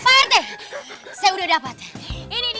pak rete saya udah dapat ini dia